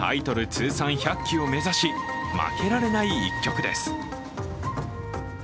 通算１００期を目指し、負けられない一局です。